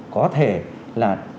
có thể là